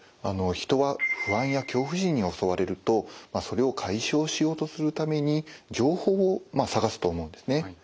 人は不安や恐怖心に襲われるとそれを解消しようとするために情報を探すと思うんですね。